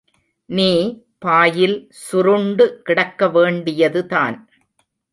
நீ பாயில் சுருண்டு கிடக்க வேண்டியதுதான்.